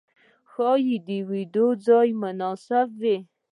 ښايې د ويدېدو ځای مناسب وي.